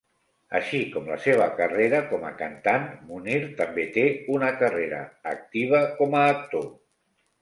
Així com la seva carrera com a cantant, Mounir també té una carrera activa com a actor.